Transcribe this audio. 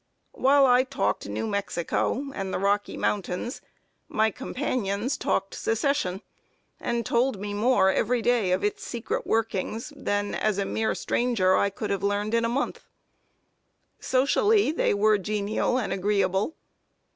While I talked New Mexico and the Rocky Mountains, my companions talked Secession; and told me more, every day, of its secret workings, than as a mere stranger I could have learned in a month. Socially, they were genial and agreeable.